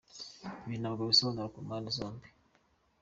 Ibi ntabwo bisobanutse ku mpande zombi.